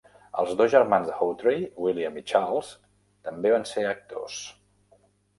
Els dos germans de Hawtrey, William i Charles, també van ser actors.